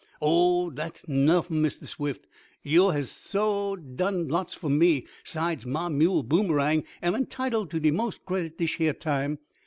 "Oh, dat's nuffin, Mistah Swift. Yo' has suah done lots fo' me. 'Sides, mah mule, Boomerang, am entitled t' de most credit dish yeah time.